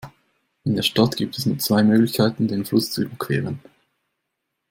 In der Stadt gibt es nur zwei Möglichkeiten, den Fluss zu überqueren.